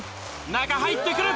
中入ってくる。